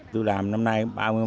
tôi làm năm nay ba mươi mét